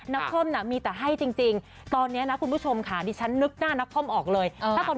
นักคลัวนะมีแต่ให้จริงตอนเนี้ยน่ะคุณผู้ชมค่ะดิฉันนึกหน้านักค่อย